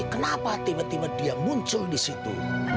kenapa tiba tiba dia muncul di situ